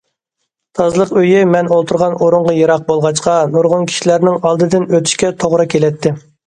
تازىلىق ئۆيى مەن ئولتۇرغان ئورۇنغا يىراق بولغاچقا نۇرغۇن كىشىلەرنىڭ ئالدىدىن ئۆتۈشكە توغرا كېلەتتى.